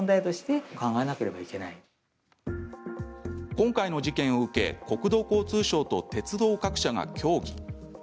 今回の事件を受け、国土交通省と鉄道各社が協議。